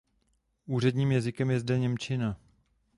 Úředním jazykem je zde němčina.